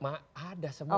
ada semua ada